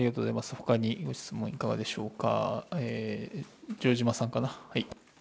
ほかにご質問いかがでしょうか。